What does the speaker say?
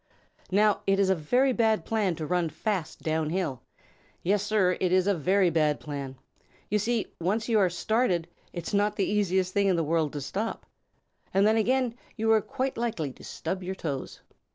Now, it is a very bad plan to run fast down hill. Yes, Sir, it is a very bad plan. You see, once you are started, it is not the easiest thing in the world to stop. And then again, you are quite likely to stub your toes.